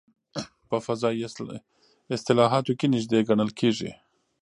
په فضایي اصطلاحاتو کې نژدې ګڼل کېږي.